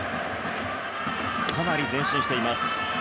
かなり前進しています。